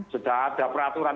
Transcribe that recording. sudah ada peraturan